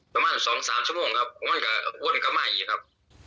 ประมาณ๒๓ชั่วโมงครับควรกลับพ่วยกับใหม่ครับ